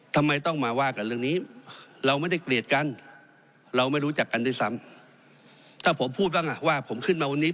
ทำไมต้องมาว่ากับเรื่องนี้